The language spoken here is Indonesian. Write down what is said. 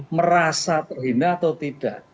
merasa terhina atau tidak